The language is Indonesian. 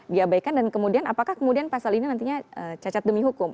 diabaikan dan kemudian apakah kemudian pasal ini nantinya cacat demi hukum